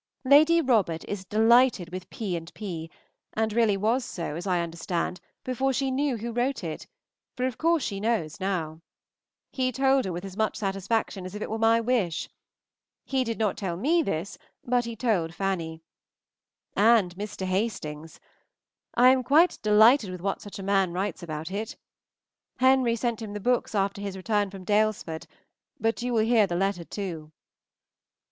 Lady Robert is delighted with P. and P., and really was so, as I understand, before she knew who wrote it, for of course she knows now. He told her with as much satisfaction as if it were my wish. He did not tell me this, but he told Fanny. And Mr. Hastings! I am quite delighted with what such a man writes about it. Henry sent him the books after his return from Daylesford, but you will hear the letter too.